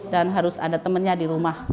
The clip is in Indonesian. dan harus ada temennya di rumah